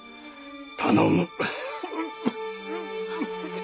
頼む。